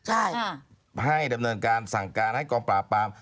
ให้ดำเนินการสั่งการให้กองปลาปลา